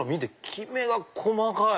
きめが細かい！